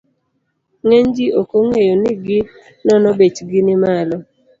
Ng'eny ji ok ong'eyo ni gi nono bechgi ni malo.